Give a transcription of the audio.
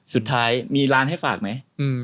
สุดท้ายมีร้านให้ฝากไหม